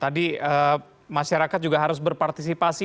tadi masyarakat juga harus berpartisipasi